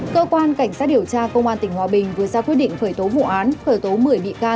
cơ quan cảnh sát điều tra công an tỉnh hòa bình vừa ra quyết định khởi tố vụ án khởi tố một mươi bị can